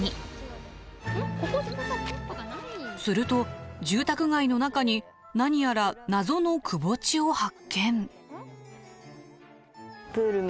すると住宅街の中に何やら謎の窪地を発見。